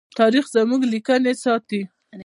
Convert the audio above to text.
تاریخ زموږ لیکنې ساتي.